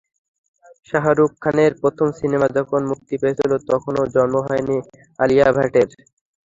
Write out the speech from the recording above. শাহরুখ খানের প্রথম সিনেমা যখন মুক্তি পেয়েছিল, তখনো জন্ম হয়নি আলিয়া ভাটের।